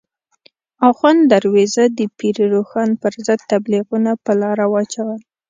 اخوند درویزه د پیر روښان پر ضد تبلیغونه په لاره واچول.